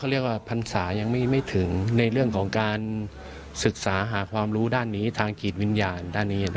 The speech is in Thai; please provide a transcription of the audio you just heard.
เขาเรียกว่าพรรษายังมิไม่ถึงเนื่องของการศึกษาหาความรู้ทางกิจวิญญาณ